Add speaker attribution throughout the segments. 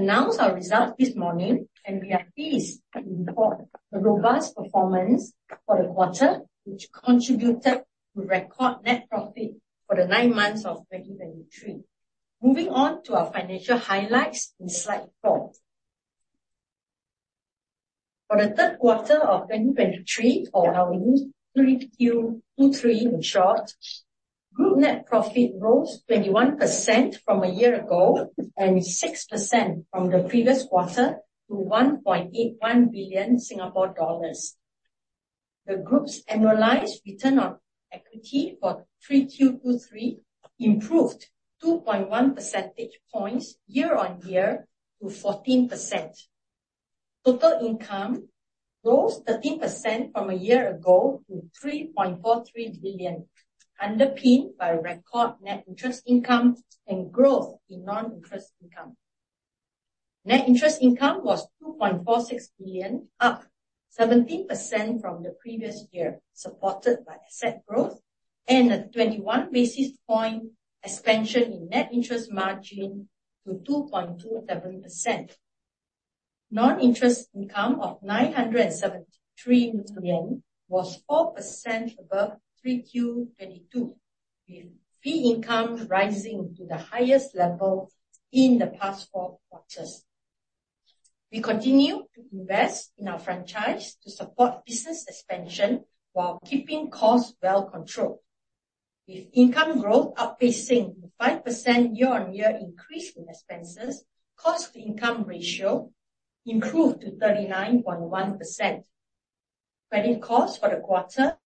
Speaker 1: announce our results this morning, and we are pleased to report a robust performance for the quarter, which contributed to record net profit for the nine months of 2023. Moving on to our financial highlights on slide four. For the third quarter of 2023, or our Q3 2023, in short, group net profit rose 21% from a year ago, and 6% from the previous quarter, to 1.81 billion Singapore dollars. The group's annualized return on equity for Q3 2023 improved 2.1 percentage points year-on-year to 14%. Total income rose 13% from a year ago to 3.43 billion, underpinned by record net interest income and growth in non-interest income. Net Interest Income was 2.46 billion, up 17% from the previous year, supported by asset growth and a 21 basis point expansion in Net Interest Margin to 2.27%. Non-Interest Income of 973 million was 4% above Q3 2022, with fee income rising to the highest level in the past four quarters. We continue to invest in our franchise to support business expansion while keeping costs well controlled. With income growth outpacing the 5% year-on-year increase in expenses, Cost-to-Income Ratio improved to 39.1%. Credit costs for the quarter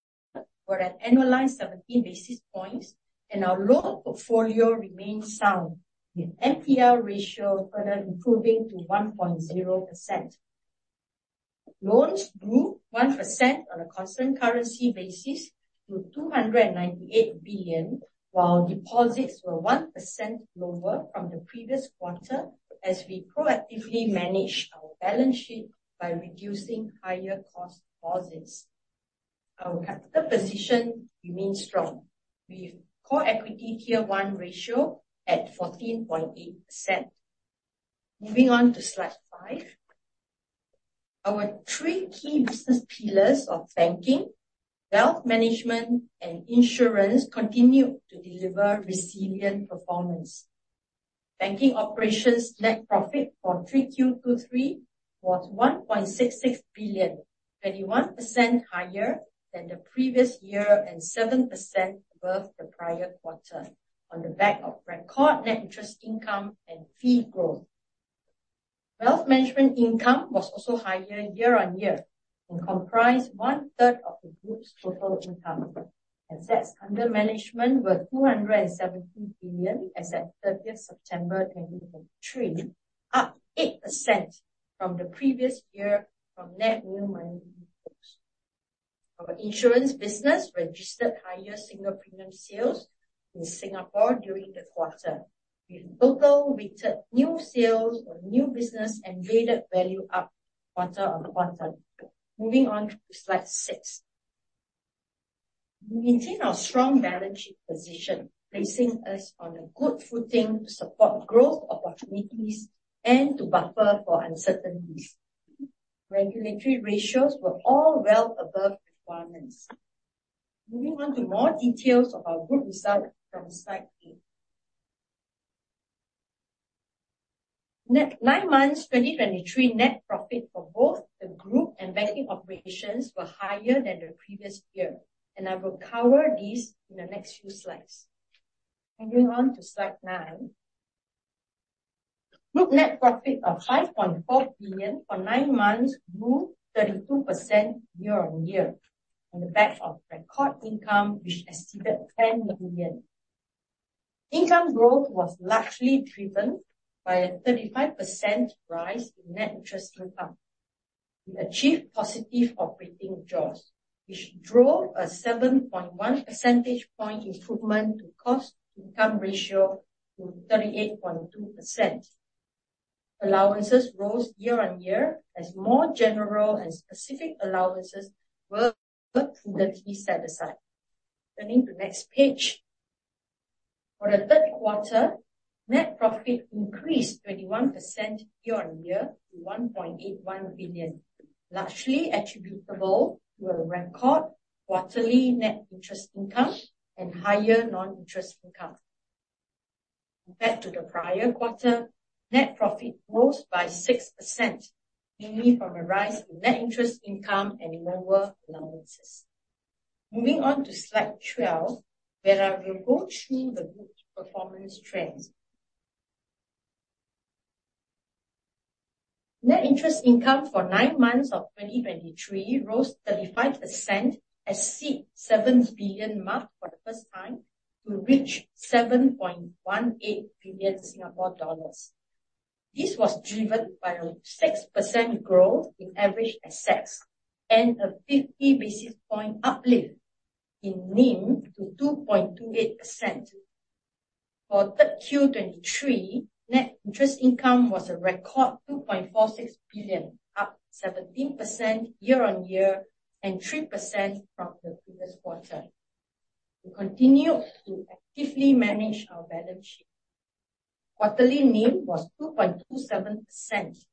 Speaker 1: were an annualized 17 basis points, and our loan portfolio remains sound, with NPL ratio further improving to 1.0%. Loans grew 1% on a constant currency basis to 298 billion, while deposits were 1% lower from the previous quarter as we proactively managed our balance sheet by reducing higher cost deposits. Our capital position remains strong, with Core Equity Tier 1 ratio at 14.8%. Moving on to slide five. Our three key business pillars of banking, wealth management, and insurance continue to deliver resilient performance. Banking operations net profit for Q3 2023 was 1.66 billion, 31% higher than the previous year and 7% above the prior quarter, on the back of record net interest income and fee growth. Wealth management income was also higher year-on-year and comprised one-third of the group's total income. Assets under management were 217 billion as at 30 September 2023, up 8% from the previous year from net new money. Our insurance business registered higher single premium sales in Singapore during the quarter, with total weighted new sales or new business annual value up quarter-on-quarter. Moving on to slide six. We maintain our strong balance sheet position, placing us on a good footing to support growth opportunities and to buffer for uncertainties. Regulatory ratios were all well above requirements. Moving on to more details of our group results from slide eight. Net nine months 2023 net profit for both the group and banking operations were higher than the previous year, and I will cover these in the next few slides. Moving on to slide nine. Group net profit of 5.4 billion for nine months grew 32% year-on-year, on the back of record income, which exceeded 10 billion. Income growth was largely driven by a 35% rise in net interest income. We achieved positive operating jaws, which drove a 7.1 percentage point improvement to cost-to-income ratio to 38.2%. Allowances rose year-on-year as more general and specific allowances were prudently set aside. Turning to next page. For the third quarter, net profit increased 21% year-on-year to 1.81 billion, largely attributable to a record quarterly net interest income and higher non-interest income. Compared to the prior quarter, net profit rose by 6%, mainly from a rise in net interest income and goodwill allowances. Moving on to slide 12, where I will go through the group's performance trends. Net interest income for nine months of 2023 rose 35%, exceeding 7 billion mark for the first time to reach 7.18 billion Singapore dollars. This was driven by a 6% growth in average assets and a 50 basis point uplift in NIM to 2.28%. For Q3 2023, net interest income was a record 2.46 billion, up 17% year-on-year, and 3% from the previous quarter. We continue to actively manage our balance sheet. Quarterly NIM was 2.27%,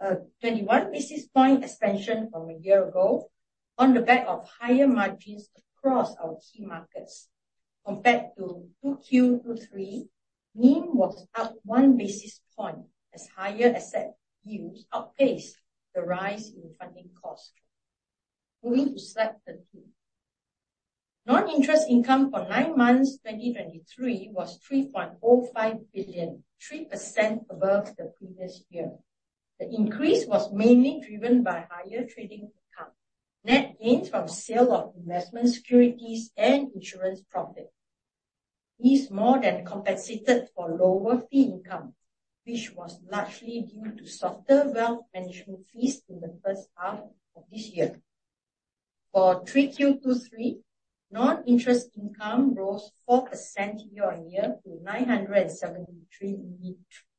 Speaker 1: a 21 basis point expansion from a year ago, on the back of higher margins across our key markets. Compared to Q2 2023, NIM was up 1 basis point, as higher asset yields outpaced the rise in funding costs. Moving to slide 13. Non-interest income for nine months, 2023, was 3.05 billion, 3% above the previous year. The increase was mainly driven by higher trading income, net gains from sale of investment securities and insurance profit. These more than compensated for lower fee income, which was largely due to softer wealth management fees in the first half of this year. For Q3 2023, non-interest income rose 4% year-on-year to 973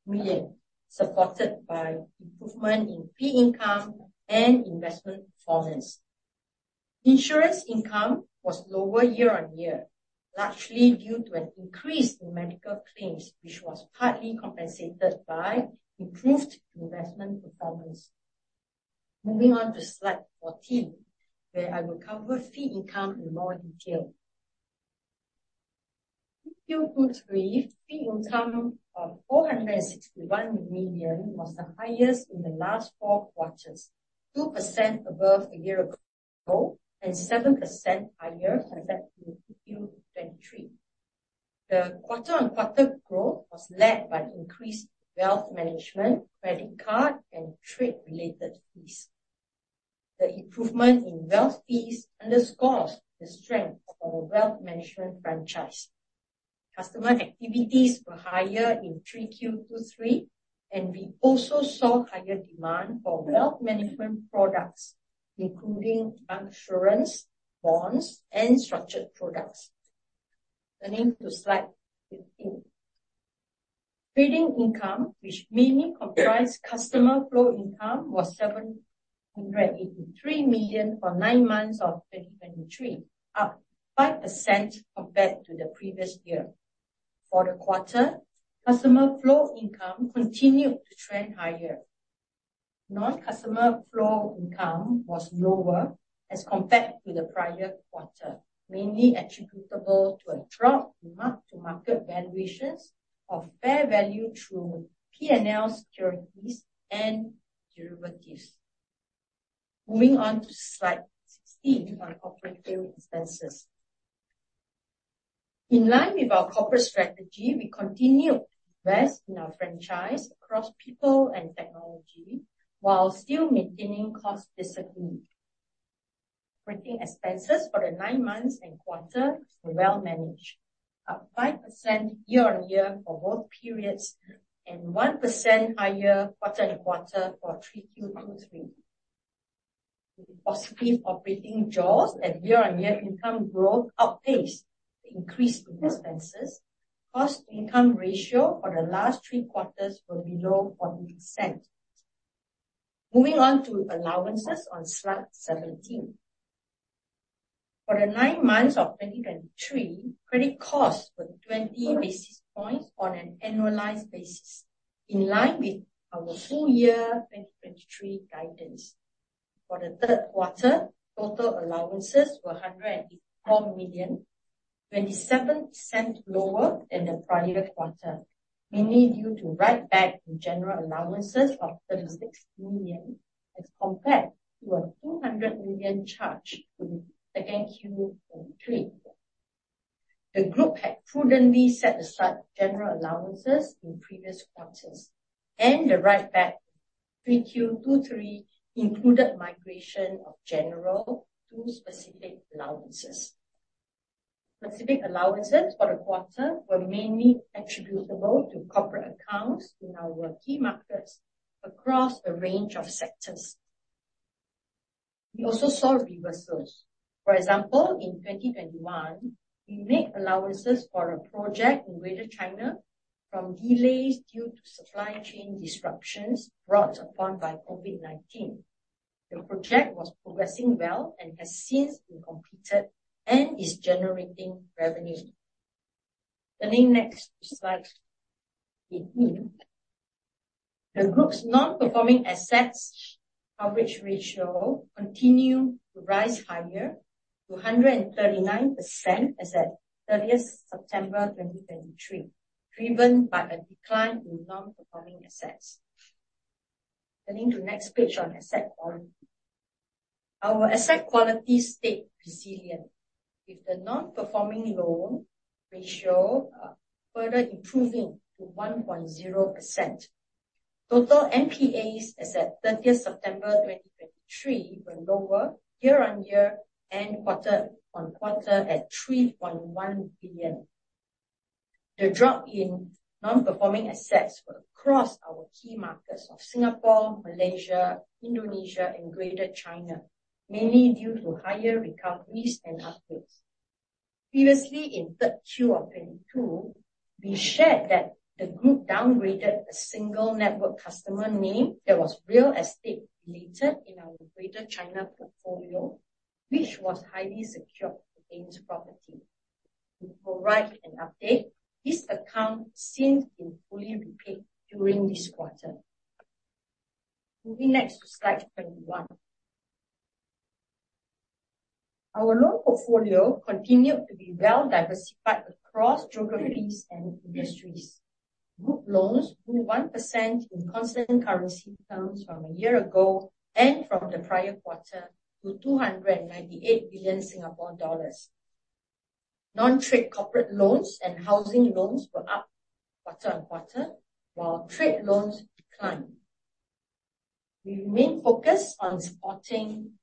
Speaker 1: million, supported by improvement in fee income and investment performance. Insurance income was lower year-on-year, largely due to an increase in medical claims, which was partly compensated by improved investment performance. Moving on to slide 14, where I will cover fee income in more detail. Q2 2023 fee income of 461 million was the highest in the last four quarters, 2% above a year ago, and 7% higher compared to Q1 2023. The quarter-on-quarter growth was led by increased wealth management, credit card, and trade-related fees. The improvement in wealth fees underscores the strength of our wealth management franchise. Customer activities were higher in Q3 2023, and we also saw higher demand for wealth management products, including insurance, bonds, and structured products. Turning to slide 15. Trading income, which mainly comprise customer flow income, was 783 million for nine months of 2023, up 5% compared to the previous year. For the quarter, customer flow income continued to trend higher. Non-customer flow income was lower as compared to the prior quarter, mainly attributable to a drop in mark-to-market valuations of fair value through PNL securities and derivatives. Moving on to slide 16, on operating expenses. In line with our corporate strategy, we continue to invest in our franchise across people and technology, while still maintaining cost discipline. Operating expenses for the nine months and quarter were well managed, up 5% year-on-year for both periods, and 1% higher quarter-on-quarter for Q3 2023. With positive operating jaws and year-on-year income growth outpaced the increase in expenses, cost-to-income ratio for the last three quarters were below 40%. Moving on to allowances on slide 17. For the nine months of 2023, credit costs were 20 basis points on an annualized basis, in line with our full year 2023 guidance. For the third quarter, total allowances were 104 million, 27% lower than the prior quarter, mainly due to write-back in general allowances of 36 million, as compared to a 200 million charge to the Q2 2023. The group had prudently set aside general allowances in previous quarters, and the write-back in Q3 2023 included migration of general to specific allowances. Specific allowances for the quarter were mainly attributable to corporate accounts in our key markets across a range of sectors. We also saw reversals. For example, in 2021, we made allowances for a project in Greater China from delays due to supply chain disruptions brought upon by COVID-19. The project was progressing well and has since been completed and is generating revenue. Turning next to slide 18. The group's non-performing assets coverage ratio continued to rise higher to 139% as at 30 September 2023, driven by a decline in non-performing assets. Turning to next page on asset quality. Our asset quality stayed resilient, with the non-performing loan ratio further improving to 1.0%. Total NPAs, as at 30 September 2023, were lower year-on-year and quarter-on-quarter at SGD 3.1 billion. The drop in non-performing assets were across our key markets of Singapore, Malaysia, Indonesia, and Greater China, mainly due to higher recoveries and upgrades. Previously, in Q3 2022, we shared that the group downgraded a single network customer name that was real estate related in our Greater China portfolio, which was highly secured against property. To provide an update, this account since been fully repaid during this quarter. Moving next to slide 21. Our loan portfolio continued to be well diversified across geographies and industries. Group loans grew 1% in constant currency terms from a year ago, and from the prior quarter to 298 billion Singapore dollars. Non-trade corporate loans and housing loans were up quarter-on-quarter, while trade loans declined. We remain focused on supporting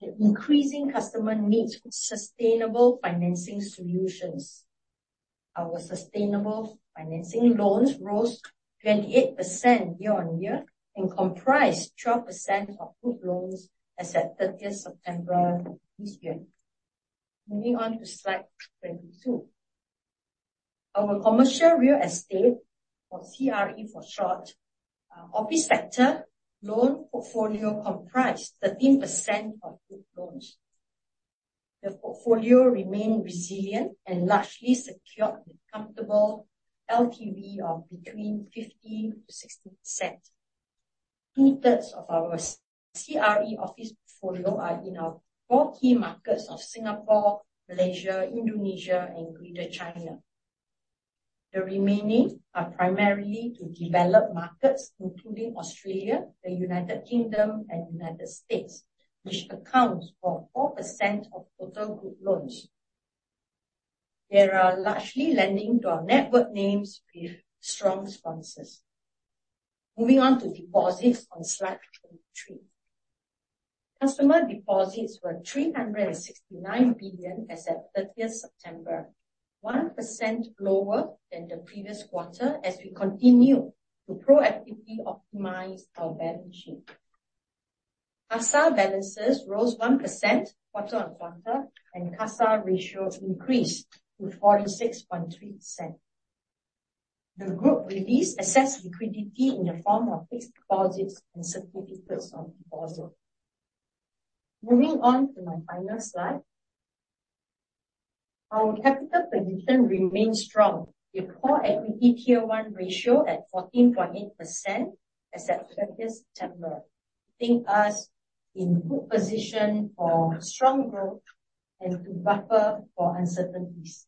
Speaker 1: the increasing customer needs with sustainable financing solutions. Our sustainable financing loans rose 28% year-on-year, and comprised 12% of group loans as at 30th September this year. Moving on to slide 22. Our commercial real estate, or CRE for short, office sector loan portfolio comprised 13% of group loans. The portfolio remained resilient and largely secured with comfortable LTV of between 50%-60%. Two-thirds of our CRE office portfolio are in our four key markets of Singapore, Malaysia, Indonesia, and Greater China. The remaining are primarily to developed markets, including Australia, the United Kingdom, and United States, which accounts for 4% of total group loans. They are largely lending to our network names with strong sponsors. Moving on to deposits on slide 23. Customer deposits were 369 billion as at 30 September, 1% lower than the previous quarter, as we continue to proactively optimize our balance sheet. CASA balances rose 1% quarter-on-quarter, and CASA ratio increased to 46.3%. The group released excess liquidity in the form of fixed deposits and certificates on deposit. Moving on to my final slide. Our capital position remains strong, with Core Equity Tier 1 ratio at 14.8% as at 30 September, putting us in good position for strong growth and to buffer for uncertainties.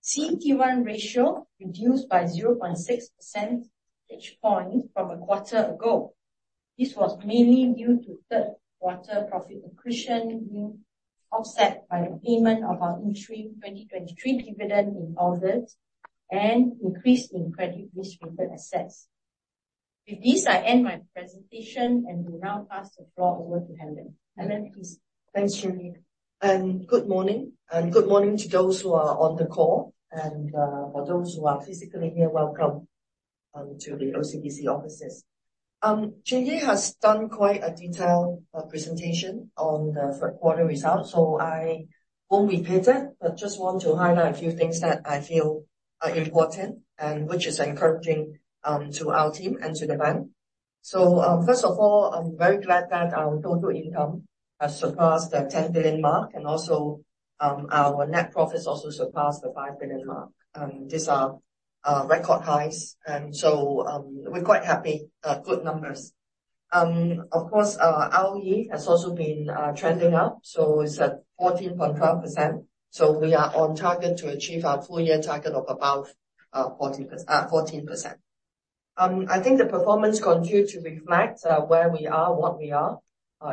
Speaker 1: CET1 ratio reduced by 0.6 percentage points from a quarter ago. This was mainly due to third quarter profit accretion being offset by the payment of our interim 2023 dividend in August, and an increase in credit risk-weighted assets. With this, I end my presentation and will now pass the floor over to Helen. Helen, please.
Speaker 2: Thanks, Chin Yee, and good morning, and good morning to those who are on the call, and for those who are physically here, welcome to the OCBC offices. Chin Yee has done quite a detailed presentation on the third quarter results, so I won't repeat it, but just want to highlight a few things that I feel are important and which is encouraging to our team and to the bank. So, first of all, I'm very glad that our total income has surpassed the 10 billion mark, and also our net profits also surpassed the 5 billion mark. These are record highs, and so we're quite happy, good numbers. Of course, our ROE has also been trending up, so it's at 14.12%. We are on target to achieve our full year target of above 14%, 14%. I think the performance continue to reflect where we are, what we are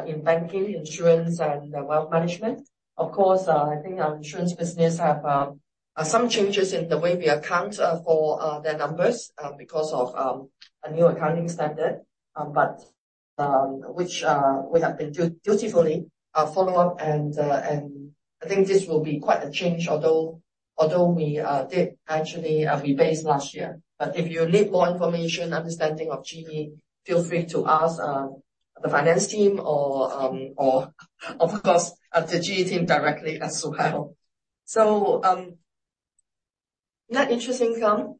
Speaker 2: in banking, insurance, and wealth management. Of course, I think our insurance business have some changes in the way we account for their numbers because of a new accounting standard, but which we have been dutifully follow up, and I think this will be quite a change, although we did actually rebase last year. But if you need more information, understanding of GE, feel free to ask the finance team or of course the GE team directly as well. So, net interest income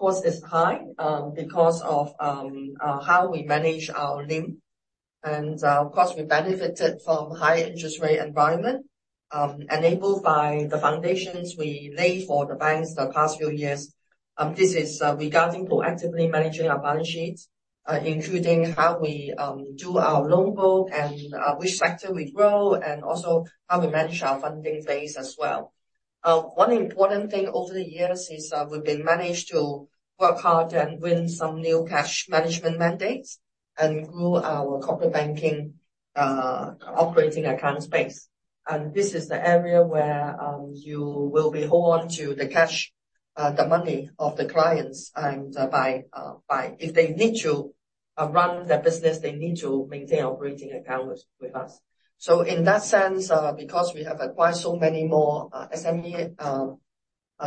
Speaker 2: cost is high, because of how we manage our NIM, and, of course, we benefited from high interest rate environment, enabled by the foundations we laid for the bank the past few years. This is regarding proactively managing our balance sheets, including how we do our loan book, and which sector we grow, and also how we manage our funding base as well. One important thing over the years is, we've been managed to work hard and win some new cash management mandates and grow our corporate banking operating account space. This is the area where you will be hold on to the cash, the money of the clients, and if they need to run their business, they need to maintain operating accounts with us. So in that sense, because we have acquired so many more SME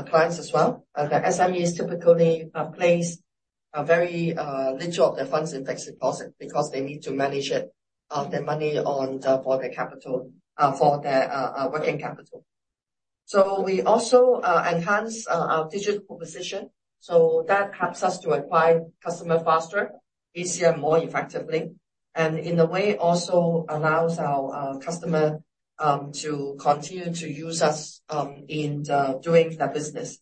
Speaker 2: clients as well, the SME is typically very little of their funds in fixed deposit because they need to manage it, their money on the for their capital, for their working capital. So we also enhance our digital proposition, so that helps us to acquire customer faster, easier, more effectively, and in a way, also allows our customer to continue to use us in the doing their business.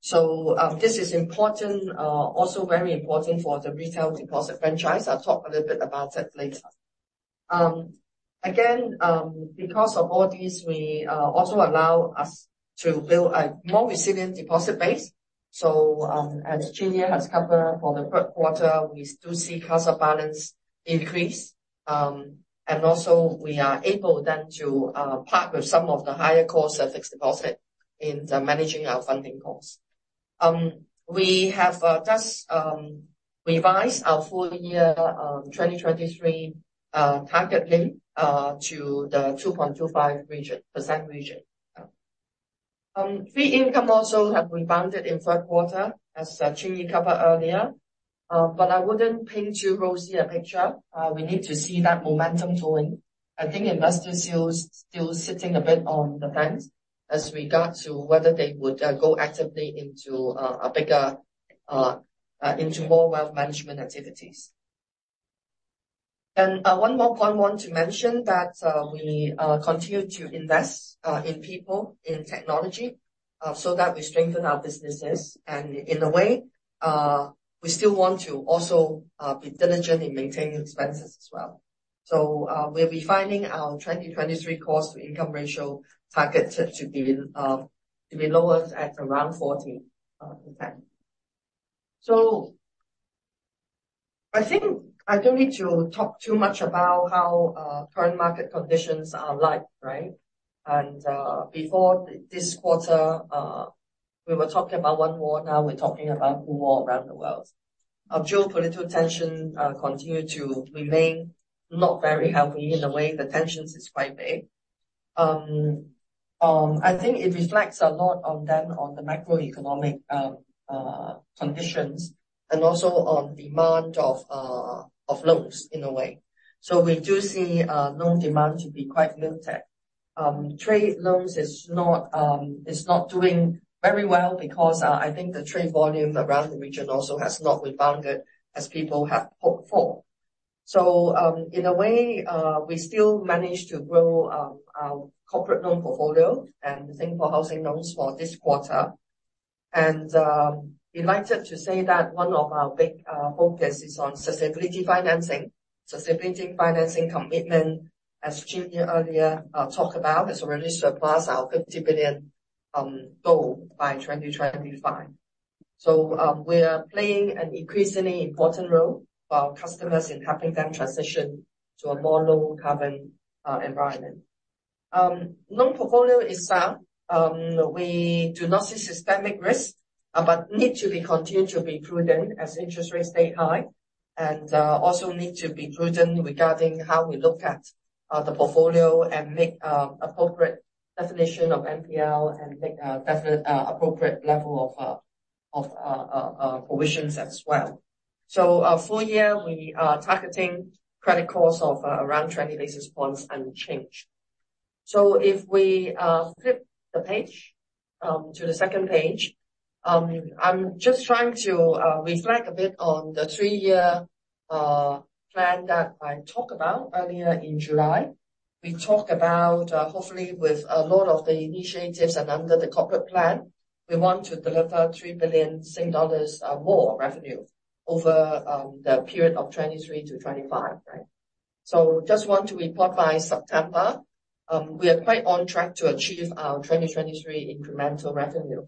Speaker 2: So, this is important, also very important for the retail deposit franchise. I'll talk a little bit about that later. Again, because of all these, we also allow us to build a more resilient deposit base. So, as Chin Yee has covered for the third quarter, we still see customer balance increase. And also we are able then to partner with some of the higher cost of fixed deposit in the managing our funding costs. We have just revised our full year, 2023, target link to the 2.25% region. Fee income also have rebounded in third quarter, as Chin Yee covered earlier. But I wouldn't paint too rosy a picture. We need to see that momentum flowing. I think investors still sitting a bit on the fence as regards to whether they would go actively into a bigger into more wealth management activities. And one more point I want to mention, that we continue to invest in people, in technology so that we strengthen our businesses. And in a way we still want to also be diligent in maintaining expenses as well. So we're refining our 2023 cost-to-income ratio target set to be lower at around 40%. So I think I don't need to talk too much about how current market conditions are like, right? And before this quarter we were talking about one war, now we're talking about two war around the world. Geopolitical tension continue to remain not very healthy. In a way, the tensions is quite big. I think it reflects a lot on them, on the macroeconomic, conditions and also on demand of loans in a way. So we do see, loan demand to be quite muted. Trade loans is not doing very well because, I think the trade volume around the region also has not rebounded as people had hoped for. So, in a way, we still manage to grow, our corporate loan portfolio and Singapore housing loans for this quarter. And, delighted to say that one of our big focus is on sustainability financing. Sustainability financing commitment, as Julie earlier, talked about, has already surpassed our 50 billion goal by 2025. So, we are playing an increasingly important role for our customers in helping them transition to a more low carbon environment. Loan portfolio is sound. We do not see systemic risk, but need to be continued to be prudent as interest rates stay high. And, also need to be prudent regarding how we look at the portfolio and make appropriate definition of NPL and make definite appropriate level of provisions as well. So our full year, we are targeting credit costs of around 20 basis points unchanged. So if we flip the page to the second page. I'm just trying to reflect a bit on the three-year plan that I talked about earlier in July. We talked about, hopefully with a lot of the initiatives and under the corporate plan, we want to deliver 3 billion dollars more revenue over the period of 2023 -2025, right? So just want to report by September, we are quite on track to achieve our 2023 incremental revenue.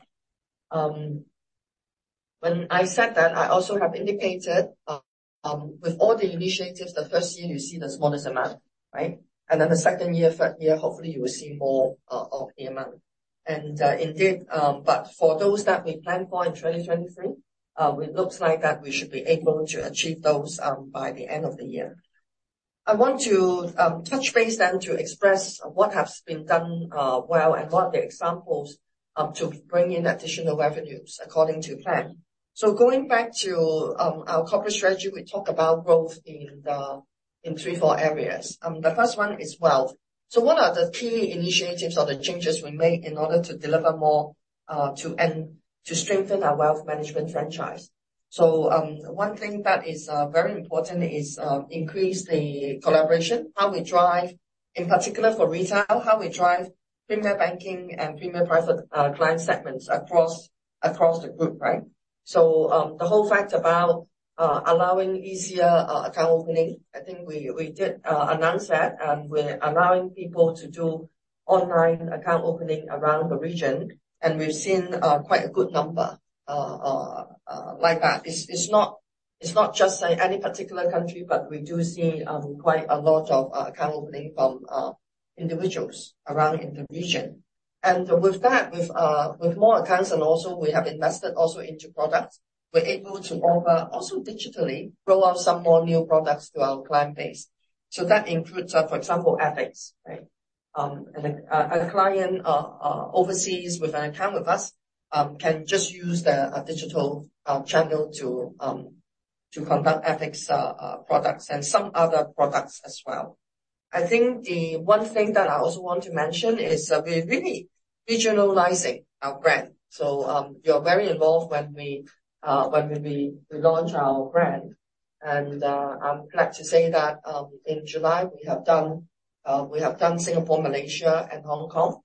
Speaker 2: When I said that, I also have indicated, with all the initiatives, the first year you see the smallest amount, right? And, indeed, but for those that we planned for in 2023, it looks like that we should be able to achieve those, by the end of the year. I want to touch base then to express what has been done, well, and what are the examples to bring in additional revenues according to plan. So going back to our corporate strategy, we talk about growth in three, four areas. The first one is wealth. So what are the key initiatives or the changes we made in order to deliver more to strengthen our wealth management franchise? So one thing that is very important is increase the collaboration. How we drive, in particular for retail, how we drive Premier Banking and Premier Private Client segments across, across the group, right? So, the whole fact about allowing easier account opening, I think we did announce that, and we're allowing people to do online account opening around the region, and we've seen quite a good number like that. It's not just in any particular country, but we do see quite a lot of account opening from individuals around in the region. And with that, with more accounts and also we have invested also into products, we're able to offer, also digitally, roll out some more new products to our client base. So that includes, for example, ETFs, right? and a client overseas with an account with us can just use the digital channel to conduct equities products and some other products as well. I think the one thing that I also want to mention is that we're really regionalizing our brand. So, you're very involved when we launch our brand. And, I'm glad to say that, in July, we have done Singapore, Malaysia, and Hong Kong.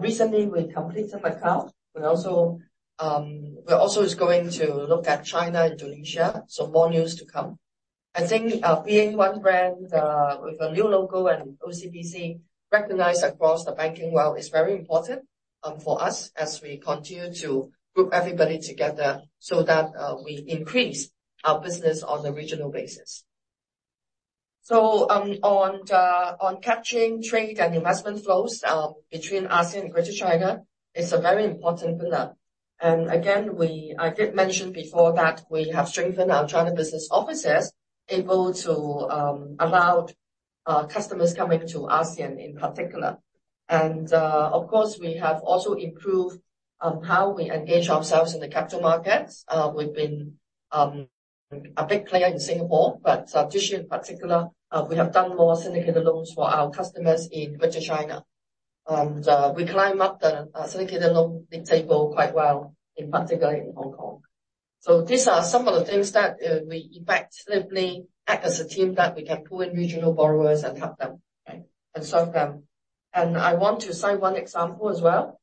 Speaker 2: Recently, we completed Macau. We're also going to look at China and Indonesia, so more news to come. I think, being one brand with a new logo and OCBC recognized across the banking world is very important for us as we continue to group everybody together so that we increase our business on a regional basis. So, on capturing trade and investment flows between ASEAN and Greater China, it's a very important pillar. And again, I did mention before that we have strengthened our China business offices, able to allow customers coming to ASEAN in particular. And, of course, we have also improved how we engage ourselves in the capital markets. We've been a big player in Singapore, but this year in particular, we have done more syndicated loans for our customers in Greater China. We climb up the syndicated loan big table quite well, in particular in Hong Kong. So these are some of the things that we effectively act as a team, that we can pull in regional borrowers and help them, okay, and serve them. I want to cite one example as well.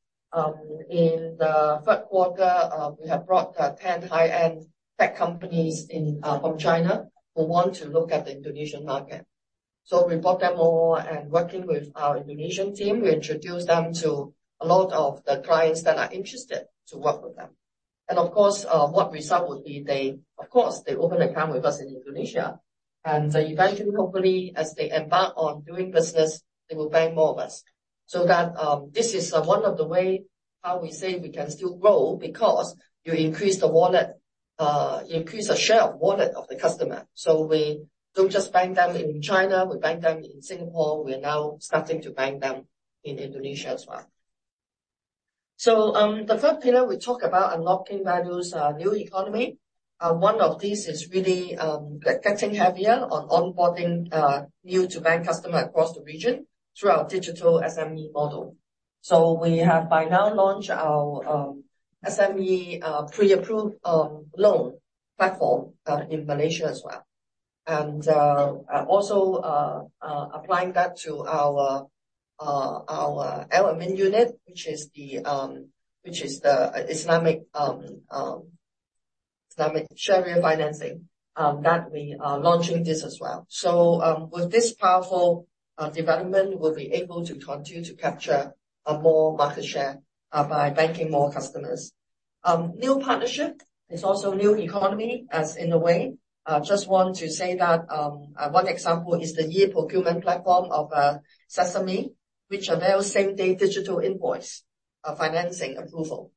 Speaker 2: In the third quarter, we have brought 10 high-end tech companies in from China who want to look at the Indonesian market. So we brought them all, and working with our Indonesian team, we introduced them to a lot of the clients that are interested to work with them. And of course, Of course, they open account with us in Indonesia, and eventually, hopefully, as they embark on doing business, they will bank more with us. So that, this is one of the way how we say we can still grow, because you increase the wallet, increase the share of wallet of the customer. So we don't just bank them in China, we bank them in Singapore, we are now starting to bank them in Indonesia as well. So, the third pillar we talk about unlocking values, new economy. One of these is really, getting heavier on onboarding, new to bank customer across the region through our digital SME model. So we have by now launched our SME, pre-approved, loan platform, in Malaysia as well. And, also, applying that to our Al-Amin unit, which is the Islamic Sharia financing, that we are launching this as well. So, with this powerful development, we'll be able to continue to capture more market share by banking more customers. New partnership is also new economy, as in a way. I just want to say that one example is the e-procurement platform of Sesami, which avails same-day digital invoice financing approval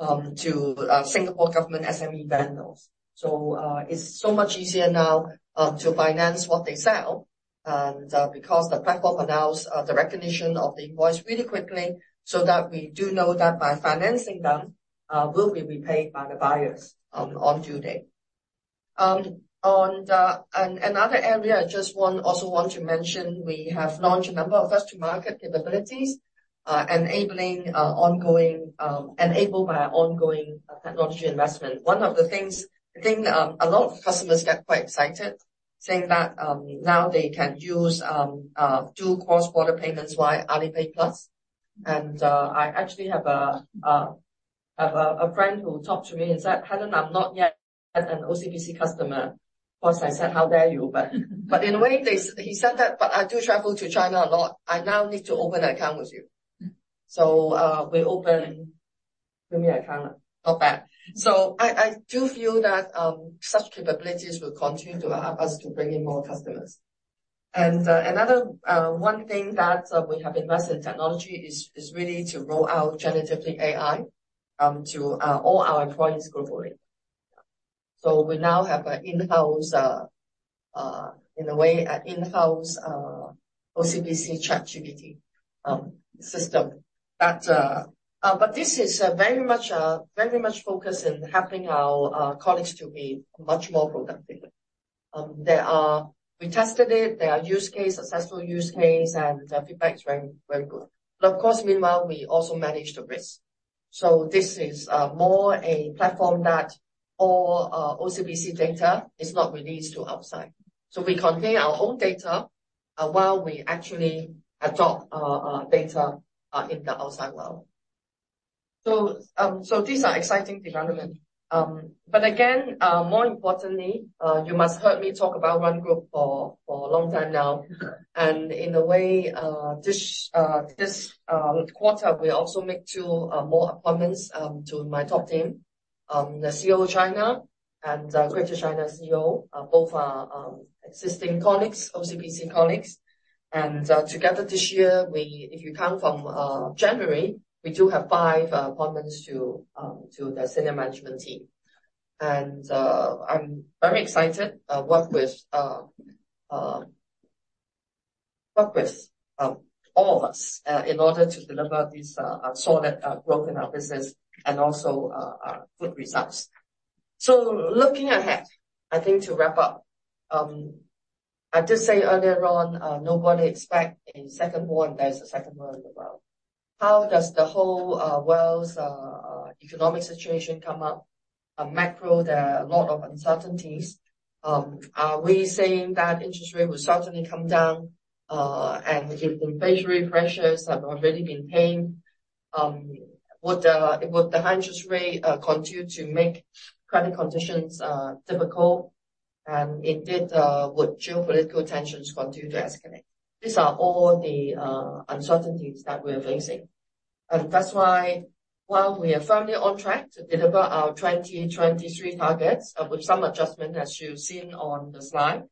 Speaker 2: to Singapore government SME vendors. So, it's so much easier now to finance what they sell, and because the platform allows the recognition of the invoice really quickly, so that we do know that by financing them we'll be repaid by the buyers on due date. And, another area I just want, also want to mention, we have launched a number of first to market capabilities, enabling ongoing enabled by our ongoing technology investment. One of the things, a lot of customers get quite excited, saying that, now they can use, do cross-border payments via Alipay+. And, I actually have a friend who talked to me and said, "Helen, I'm not yet an OCBC customer." Of course, I said, "How dare you?" But in a way, they, he said that, "But I do travel to China a lot. I now need to open an account with you." So, we opened him an account. Not bad. So I do feel that, such capabilities will continue to help us to bring in more customers. And, another, one thing that, we have invested in technology is, really to roll out generative AI, to, all our employees globally. So we now have an in-house, in a way, OCBC ChatGPT system. But this is very much, very much focused in helping our colleagues to be much more productive. We tested it. There are use case, successful use case, and the feedback is very, very good. But of course, meanwhile, we also manage the risk. So this is more a platform that all OCBC data is not released to outside. So we contain our own data while we actually adopt data in the outside world. So these are exciting development. But again, more importantly, you must have heard me talk about one group for a long time now. In a way, this quarter, we also make two more appointments to my top team. The CEO of China and Greater China CEO both are existing colleagues, OCBC colleagues. And together this year, we, if you count from January, we do have five appointments to the senior management team. And I'm very excited work with all of us in order to deliver this solid growth in our business and also good results. So looking ahead, I think to wrap up, I did say earlier on, nobody expect in second one, there's a second war in the world. How does the whole world's economic situation come up? Macro, there are a lot of uncertainties. Are we saying that interest rate will certainly come down, and if inflationary pressures have already been paid, would the high interest rate continue to make credit conditions difficult? And indeed, would geopolitical tensions continue to escalate? These are all the uncertainties that we're facing. And that's why, while we are firmly on track to deliver our 2023 targets, with some adjustment, as you've seen on the slide,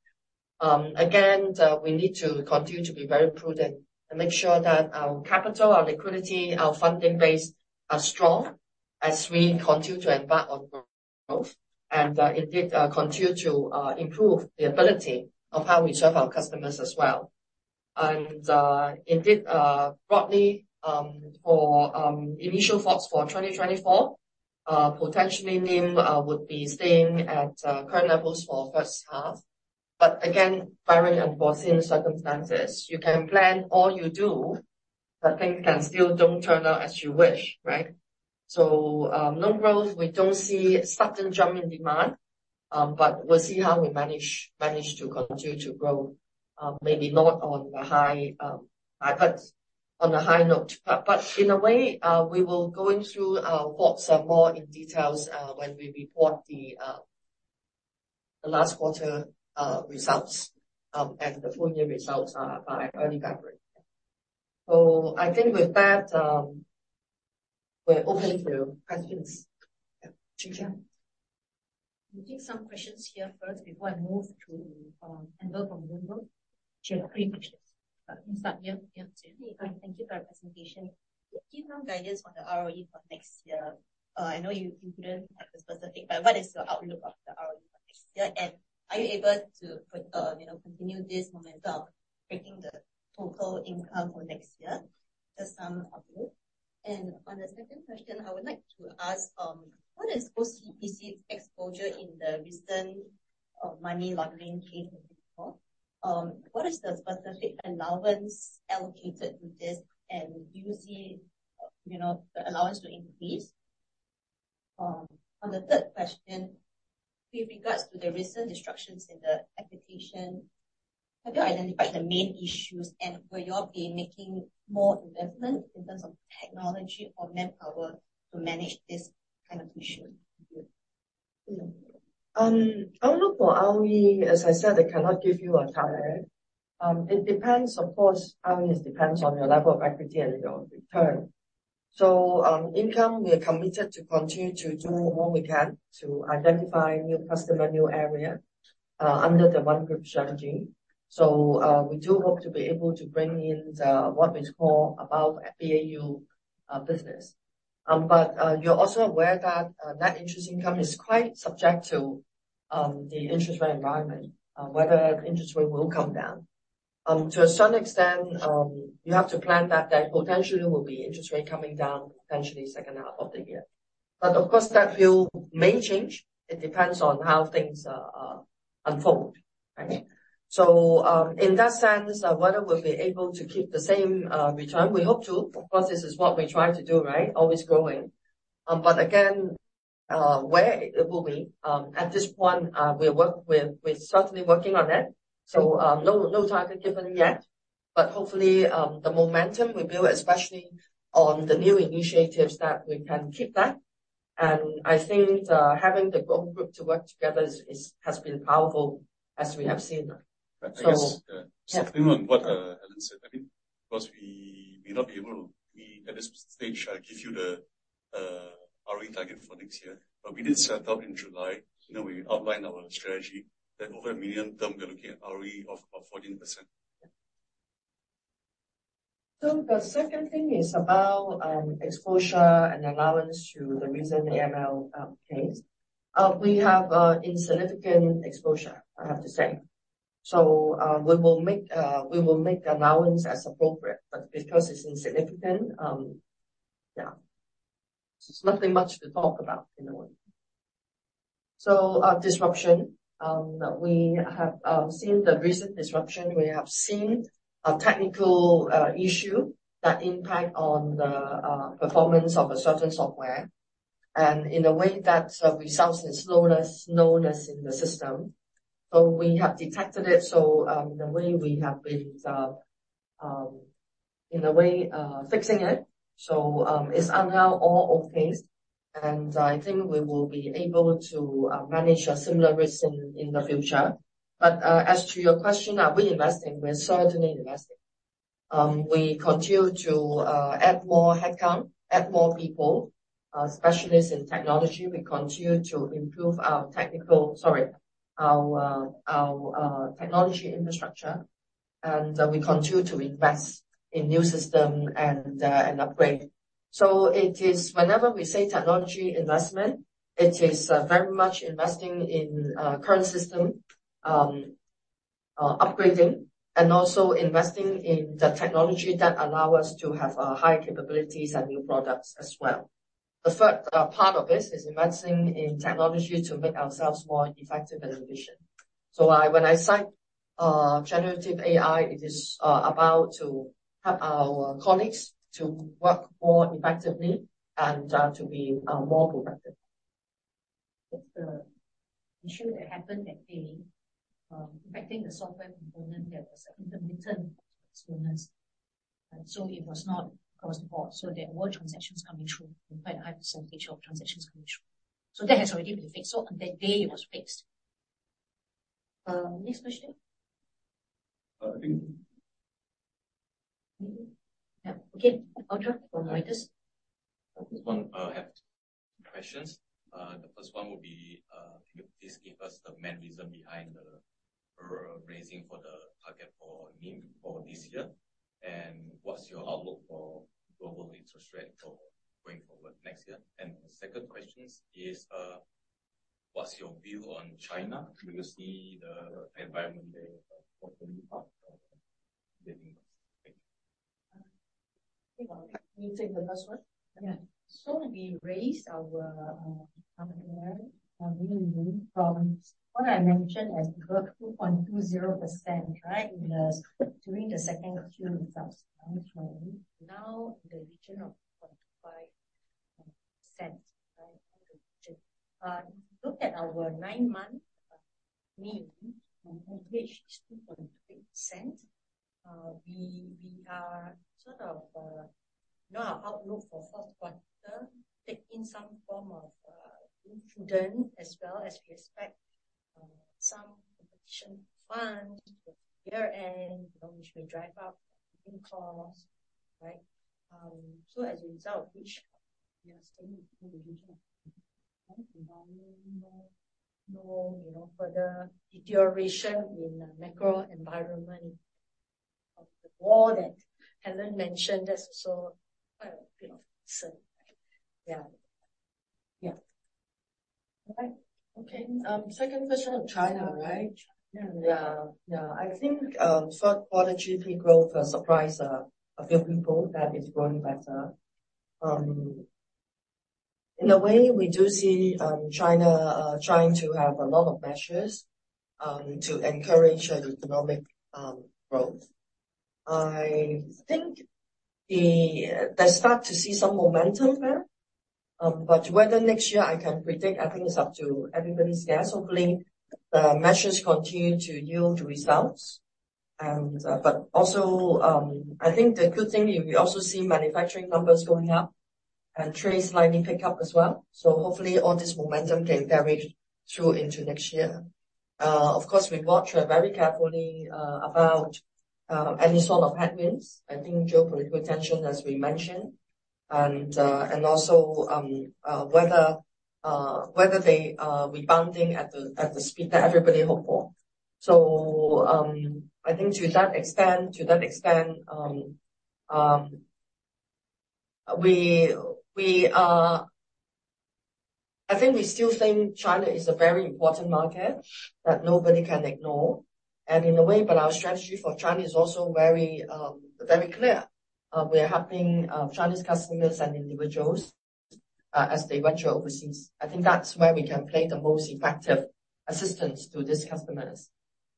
Speaker 2: again, we need to continue to be very prudent and make sure that our capital, our liquidity, our funding base are strong as we continue to embark on growth, and, indeed, continue to improve the ability of how we serve our customers as well. Indeed, broadly, for initial thoughts for 2024, potentially NIM would be staying at current levels for first half. But again, barring unforeseen circumstances, you can plan all you do, but things can still don't turn out as you wish, right? So, loan growth, we don't see a sudden jump in demand, but we'll see how we manage to continue to grow, maybe not on the high, high, but on a high note. But, in a way, we will go in through our thoughts more in details, when we report the last quarter results, and the full year results are in early February. So I think with that, we're open to questions. Yeah, Chin Yee.
Speaker 1: We'll take some questions here first before I move to, Amber from Bloomberg. She had three questions. But we start here. Yeah.
Speaker 3: Thank you for your presentation. Do you have guidance on the ROE for next year? I know you, you didn't have the specific, but what is your outlook of the ROE for next year? And are you able to put, you know, continue this momentum of breaking the total income for next year? Just some outlook. And on the second question, I would like to ask, what is OCBC's exposure in the recent, money laundering case in Singapore? What is the specific allowance allocated to this, and do you see, you know, the allowance to increase? On the third question, with regards to the recent disruptions in the application, have you identified the main issues, and will you all be making more investment in terms of technology or manpower to manage this kind of issue? Thank you.
Speaker 2: Outlook for ROE, as I said, I cannot give you a time. It depends, of course, ROE depends on your level of equity and your return. So, income, we are committed to continue to do all we can to identify new customer, new area, under the One Group strategy. So, we do hope to be able to bring in the, what we call above BAU, business. But, you're also aware that that interest income is quite subject to, the interest rate environment, whether interest rate will come down. To a certain extent, you have to plan that there potentially will be interest rate coming down, potentially second half of the year. But of course, that view may change. It depends on how things unfold, right? So, in that sense, whether we'll be able to keep the same return, we hope to, because this is what we try to do, right? Always growing. But again, where it will be, at this point, we're certainly working on that. So, no, no target given yet, but hopefully, the momentum we build, especially on the new initiatives, that we can keep that. And I think, having the whole group to work together has been powerful, as we have seen. So-
Speaker 4: I guess, stepping on what Helen said, I mean, because we may not be able to be at this stage, I give you the ROE target for next year, but we did set out in July, you know, we outlined our strategy that over a million term, we're looking at ROE of 14%.
Speaker 2: So the second thing is about exposure and allowance to the recent AML case. We have insignificant exposure, I have to say. So we will make the allowance as appropriate, but because it's insignificant, yeah, it's nothing much to talk about, you know. So disruption. We have seen the recent disruption. We have seen a technical issue that impact on the performance of a certain software, and in a way that results in slowness in the system. So we have detected it, so the way we have been in a way fixing it, so it's now all okay. And I think we will be able to manage a similar risk in the future. But as to your question, are we investing? We're certainly investing. We continue to add more headcount, add more people, specialists in technology. We continue to improve our technology infrastructure and we continue to invest in new system and upgrade. So it is, whenever we say technology investment, it is very much investing in current system, upgrading, and also investing in the technology that allow us to have higher capabilities and new products as well. The third part of this is investing in technology to make ourselves more effective and efficient. So when I cite generative AI, it is about to help our colleagues to work more effectively and to be more productive.
Speaker 1: It's the issue that happened that day, affecting the software component that was intermittent experience. And so it was not across the board, so there were transactions coming through, in quite a high percentage of transactions coming through. So that has already been fixed. So on that day, it was fixed. Next question?
Speaker 5: I think-
Speaker 1: Yeah. Okay, Audra from Reuters.
Speaker 5: This one, I have two questions. The first one will be, can you please give us the main reason behind the raising for the target for NIM for this year? And what's your outlook for global interest rate for going forward next year? And the second question is, what's your view on China? Do you see the environment there for the new part of the business? Thank you.
Speaker 2: You take the first one?
Speaker 1: Yeah. So we raised our, from what I mentioned, as above 2.20%, right? Because during the second quarter of 2020, now in the region of 0.5%, right? If you look at our nine-month NIM, on average, is 2.28%. We are sort of, now our outlook for fourth quarter, taking some form of prudent, as well as we expect, some competition fund year-end, you know, which may drive up cost, right? So as a result, which we are still in the region of no, no, you know, further deterioration in the macro environment of the war that Helen mentioned, that's also, you know, certain. Yeah. Yeah.
Speaker 2: Okay. Second question on China, right?
Speaker 1: Yeah.
Speaker 2: Yeah. Yeah, I think, third quarter GP growth surprise, a few people that it's growing better. In a way, we do see, China, trying to have a lot of measures, to encourage the economic, growth. I think the... They start to see some momentum there. But whether next year I can predict, I think it's up to everybody's guess. Hopefully, the measures continue to yield results. And, but also, I think the good thing, we also see manufacturing numbers going up and trade slightly pick up as well. So hopefully, all this momentum can carry through into next year. Of course, we watch very carefully about any sort of headwinds. I think geopolitical tension, as we mentioned, and also whether they are rebounding at the speed that everybody hope for. So, I think to that extent, to that extent, we are—I think we still think China is a very important market that nobody can ignore, and in a way, but our strategy for China is also very, very clear. We are helping Chinese customers and individuals as they venture overseas. I think that's where we can play the most effective assistance to these customers.